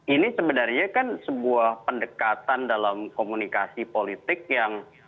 ini sebenarnya kan sebuah pendekatan dalam komunikasi politik yang